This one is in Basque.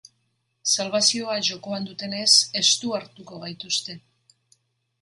Salbazioa jokoan dutenez, estu hartuko gaituzte.